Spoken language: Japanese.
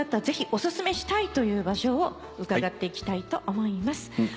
ぜひおすすめしたいという場所を伺っていきたいと思います。